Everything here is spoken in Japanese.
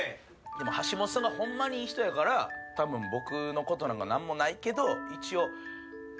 でも橋本さんがホンマにいい人やからたぶん僕のことなんか何もないけど一応。